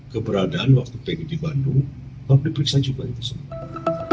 keberadaan waktu pd bandung diperiksa juga itu semua